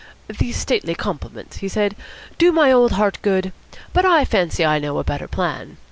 "These stately compliments," he said, "do my old heart good, but I fancy I know a better plan.